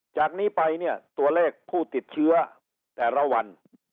จากนี้ไปเนี่ยตัวเลขผู้ติดเชื้อแต่ละวัน